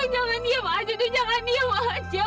jangan diam aja dok jangan diam aja